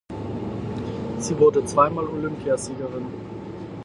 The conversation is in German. Sie wurde zweimal Olympiasiegerin.